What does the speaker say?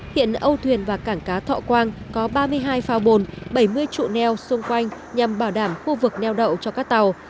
hiện âu thuyền và cảng cá thọ quang có ba mươi hai phao bồn bảy mươi trụ neo xung quanh nhằm bảo đảm khu vực neo đậu cho các tàu